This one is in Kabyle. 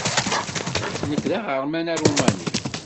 Nekk d aɣerman aṛumani.